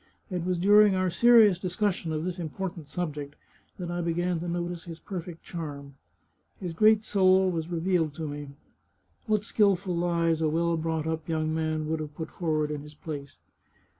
It was during our serious discussion of this important subject that I be gan to notice his perfect charm. His great soul was re vealed to me. What skilful lies a well brought up young man would have put forward in his place!